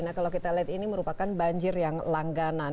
nah kalau kita lihat ini merupakan banjir yang langganan